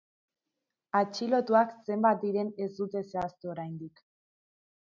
Atxilotuak zenbat diren ez dute zehaztu oraindik.